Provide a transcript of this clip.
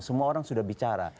semua orang sudah bicara